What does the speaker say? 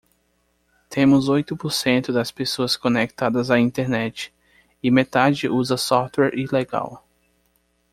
Temos oito por cento das pessoas conectadas à Internet e metade usa software ilegal.